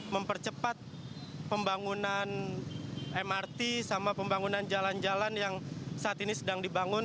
mempercepat pembangunan mrt sama pembangunan jalan jalan yang saat ini sedang dibangun